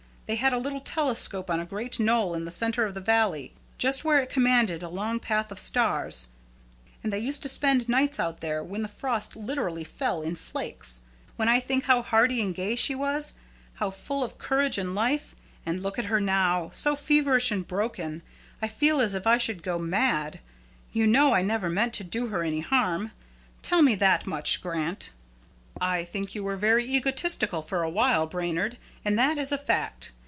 They had a little telescope on a great knoll in the centre of the valley, just where it commanded a long path of stars, and they used to spend nights out there when the frost literally fell in flakes. When I think how hardy and gay she was, how full of courage and life, and look at her now, so feverish and broken, I feel as if I should go mad. You know I never meant to do her any harm. Tell me that much, Grant." "I think you were very egotistical for a while, Brainard, and that is a fact.